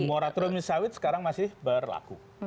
moratorium sawit sekarang masih berlaku